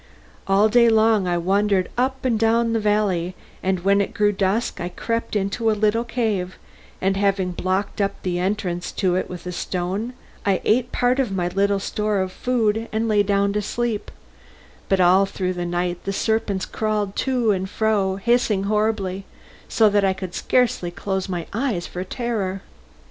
All day long I wandered up and down the valley, and when it grew dusk I crept into a little cave, and having blocked up the entrance to it with a stone, I ate part of my little store of food and lay down to sleep, but all through the night the serpents crawled to and fro, hissing horribly, so that I could scarcely close my eyes for terror.